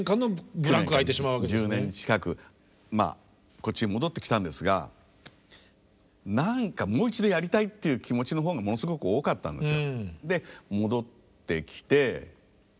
こっちへ戻ってきたんですが何かもう一度やりたいっていう気持ちの方がものすごく多かったですよ。